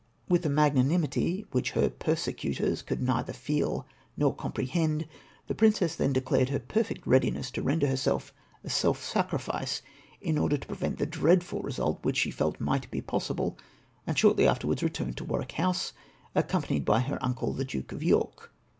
With a magnanimity which her persecutors could neither feel nor comprehend, the princess then declared her perfect readiness to render herself a self sacrifice, in order to prevent the di'cadful result which she felt might be possible ; and shortly afterwards returned to Warwick House, accompanied by her uncle the Duke of York.